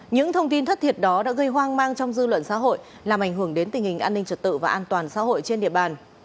những thông tin thất thiệt đó đã gây hoang mang trong dư luận xã hội làm ảnh hưởng đến tình hình an ninh trật tự và an toàn xã hội trên địa bàn